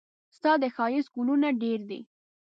ستا د ښايست ګلونه ډېر دي.